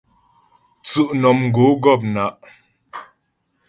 Tsʉ'mnɔmgǒ gɔ̂pnǎ'.